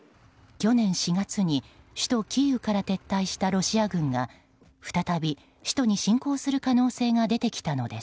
去年４月に、首都キーウから撤退したロシア軍が再び首都に侵攻する可能性が出てきたのです。